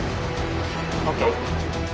ＯＫ。